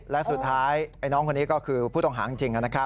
และสุดท้ายไอ้น้องคนนี้ก็คือผู้ต่างหางจริงนะครับ